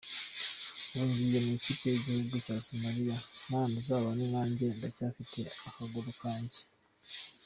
Ubu ngiye mu ikipe y’igihugu cya Somali Mana uzabane nanjye ndacyafite akaguru kanjye .